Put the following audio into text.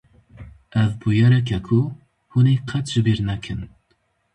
Ev bûyerek e ku hûn ê qet ji bîr nekin!